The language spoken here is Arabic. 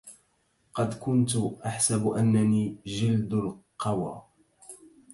قد كنت أحسب أنني جلد القوى